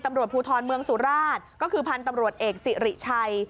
ตำรวจภูทรเมืองสุราชก็คือพันธุ์ตำรวจเอกสิริชัย